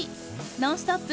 「ノンストップ！」